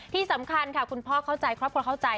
ที่สำคัญค่ะคุณพ่อเข้าใจครอบครัวเข้าใจ